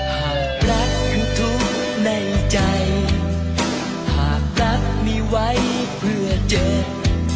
หากรักคือทุกข์ในใจหากรักมีไว้เพื่อเจอ